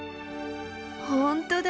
本当だ！